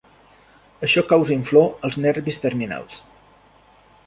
Això causa inflor als nervis terminals.